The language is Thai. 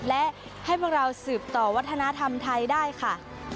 และให้พวกเราสืบต่อวัฒนธรรมไทยได้ค่ะ